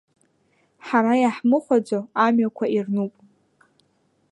Ҳара иаҳмыхәаӡо, амҩақәа ирнуп.